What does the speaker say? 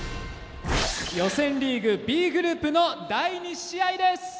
予選リーグＢグループの第２試合です。